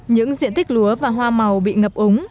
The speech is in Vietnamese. những diện tích lúa và hoa màu bị ngập úng